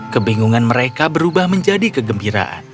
kebingungan mereka berubah menjadi kegembiraan